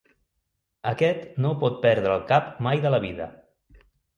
Aquest no pot perdre el cap mai de la vida.